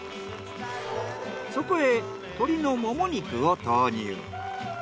そこへ鶏のもも肉を投入。